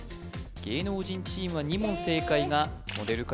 芸能人チームは２問正解がモデル界